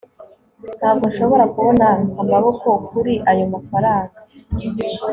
ntabwo nshobora kubona amaboko kuri ayo mafranga